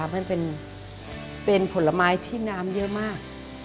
มันเป็นผลไม้ที่น้ำเยอะมาก